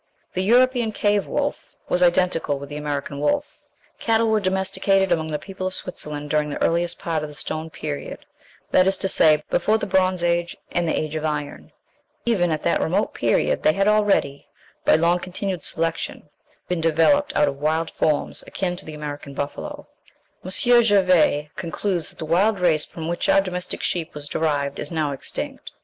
The European cave wolf was identical with the American wolf. Cattle were domesticated among the people of Switzerland during the earliest part of the Stone Period (Darwin's "Animals Under Domestication," vol. i., p. 103), that is to say, before the Bronze Age and the Age of Iron. Even at that remote period they had already, by long continued selection, been developed out of wild forms akin to the American buffalo. M. Gervais ("Hist. Nat. des Mammifores," vol. xi., p. 191) concludes that the wild race from which our domestic sheep was derived is now extinct.